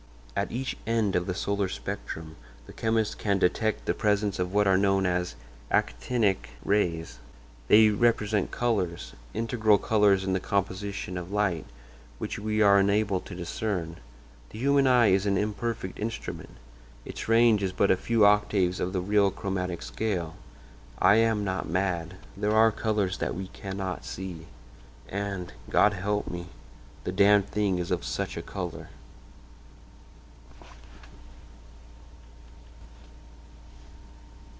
At each end of the solar spectrum the chemist can detect the presence of what are known as 'actinic' rays. They represent colors—integral colors in the composition of light—which we are unable to discern. The human eye is an imperfect instrument; its range is but a few octaves of the real 'chromatic scale.' I am not mad; there are colors that we cannot see. "And, God help me! the Damned Thing is of such a color!"